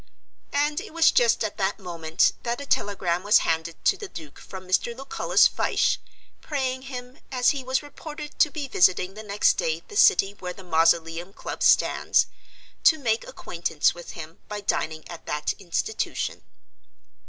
And it was just at that moment that a telegram was handed to the Duke from Mr. Lucullus Fyshe, praying him, as he was reported to be visiting the next day the City where the Mausoleum Club stands, to make acquaintance with him by dining at that institution.